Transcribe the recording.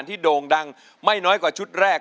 โด่งดังไม่น้อยกว่าชุดแรก